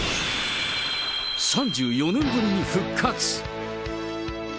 ３４年ぶりに復活。